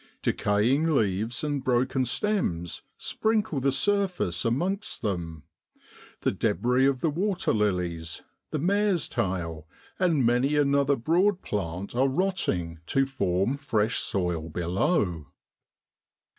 Decaying leaves and broken stems sprinkle the surface amongst them; the debris of the waterlilies, the mare's tail, and many another broad plant are rotting to form fresh soil below.